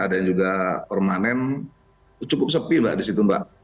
ada yang juga permanen cukup sepi mbak di situ mbak